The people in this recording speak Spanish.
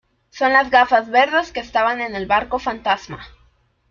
son las gafas verdes que estaban en el barco fantasma.